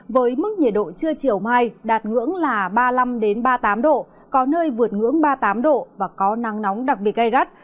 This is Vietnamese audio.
với mức nhiệt độ trưa chiều mai đạt ngưỡng là ba mươi năm ba mươi tám độ có nơi vượt ngưỡng ba mươi tám độ và có nắng nóng đặc biệt gai gắt